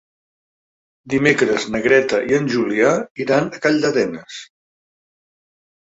Dimecres na Greta i en Julià iran a Calldetenes.